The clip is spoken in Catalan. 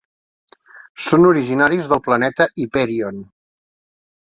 Són originaris del planeta Hyperion.